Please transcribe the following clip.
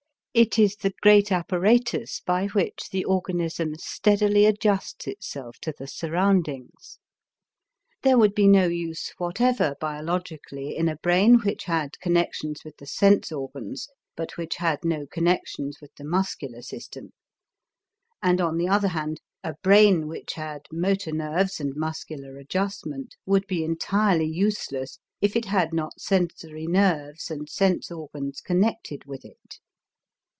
It is the great apparatus by which the organism steadily adjusts itself to the surroundings. There would be no use whatever biologically in a brain which had connections with the sense organs, but which had no connections with the muscular system, and on the other hand, a brain which had motor nerves and muscular adjustment would be entirely useless if it had not sensory nerves and sense organs connected with it.